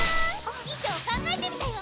衣装考えてみたよ！